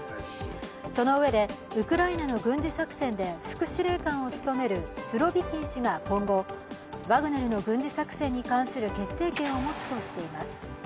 そのうえで、ウクライナの軍事作戦で副司令官を務めるスロビキン氏が今後、ワグネルの軍事作戦に関する決定権を持つとしています。